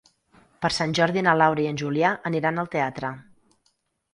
Per Sant Jordi na Laura i en Julià aniran al teatre.